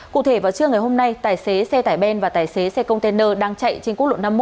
cụ thể vào trưa ngày hôm nay tài xế xe tải ben và tài xế xe container đang chạy trên quốc lộ năm mươi một